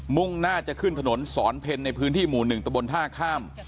่งหน้าจะขึ้นถนนสอนเพ็ญในพื้นที่หมู่๑ตะบนท่าข้าม